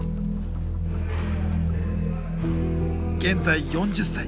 現在４０歳。